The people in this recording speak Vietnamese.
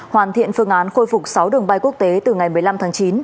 hoàn thiện phương án khôi phục sáu đường bay quốc tế từ ngày một mươi năm tháng chín